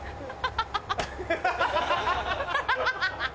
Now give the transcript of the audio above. ハハハハ！